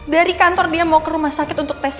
dari kantor dia mau ke rumah sakit untuk tes